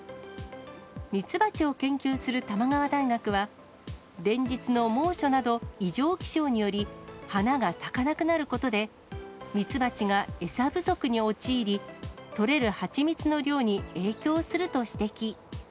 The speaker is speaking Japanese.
蜜蜂を研究する玉川大学は、連日の猛暑など、異常気象により、花が咲かなくなることで、蜜蜂が餌不足に陥り、取れるはちみつの量に影響すると指摘。